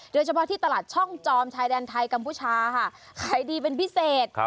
โดยเฉพาะที่ตลาดช่องจอมชายแดนไทยกัมพูชาค่ะขายดีเป็นพิเศษ